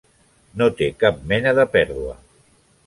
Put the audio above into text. No té cap mena de pèrdua.